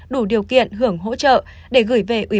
đủ điều kiện hưởng hỗ trợ để gửi về ủy